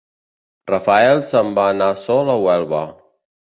Rafael se'n va sol a Huelva.